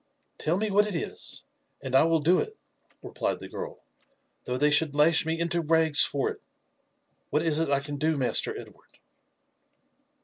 " Tell me what it is, and I will do it," replied the girl, •* though they should lash me into rags for it. What is it I can do, Master Edward?"